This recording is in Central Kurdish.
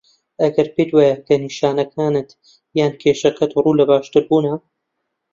ئەگەر پێت وایه که نیشانەکانت یان کێشەکەت ڕوو له باشتربوونه